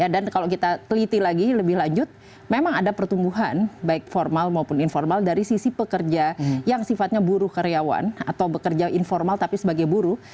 dan kalau kita teliti lagi lebih lanjut memang ada pertumbuhan baik formal maupun informal dari sisi pekerja yang sifatnya buruh karyawan atau pekerja informal tapi sebagai buruh